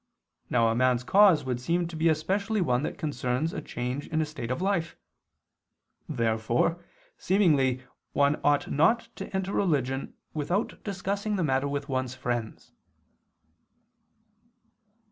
Now a man's cause would seem to be especially one that concerns a change in his state of life. Therefore seemingly one ought not to enter religion without discussing the matter with one's friends.